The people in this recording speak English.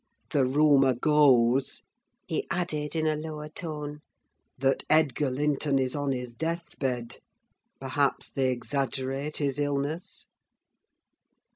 The rumour goes," he added, in a lower tone, "that Edgar Linton is on his death bed: perhaps they exaggerate his illness?"